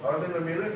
orang ini memilih